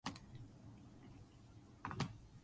日本語